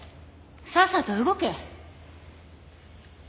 さっさと動け。